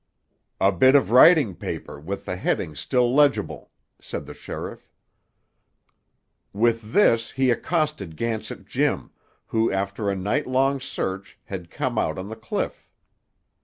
"A bit of writing paper, with the heading still legible," said the sheriff. "With this he accosted Gansett Jim, who after a night long search had come out on the cliff.